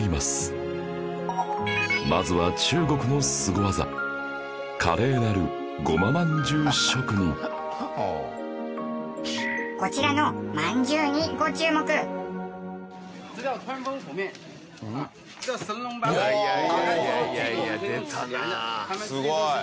すごい！